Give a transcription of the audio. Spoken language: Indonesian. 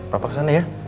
papa kesana ya